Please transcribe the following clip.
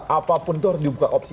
apapun itu harus dibuka opsi